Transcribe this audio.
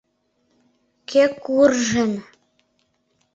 Кӧ куржын?